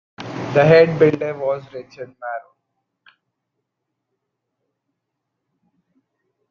The head builder was Richard Marrone.